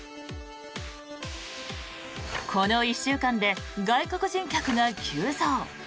この１週間で外国人客が急増。